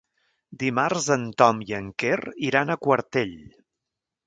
Dimarts en Tom i en Quer iran a Quartell.